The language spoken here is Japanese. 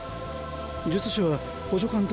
術師は補助監督